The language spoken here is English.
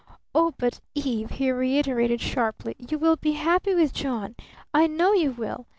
"Oh, but Eve!" he reiterated sharply, "you will be happy with John! I know you will!